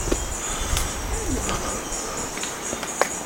Ar melmi?